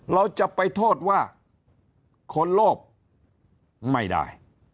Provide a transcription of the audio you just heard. เราจะไปโทษว่าคนโลกไม่ได้